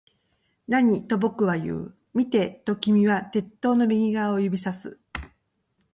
何？と僕は言う。見て、と君は鉄塔の右側を指差す